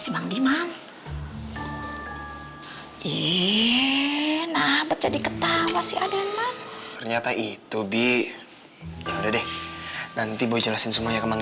simang diman ii nah jadi ketawa si aden ternyata itu biar nanti boleh jelasin semuanya kemang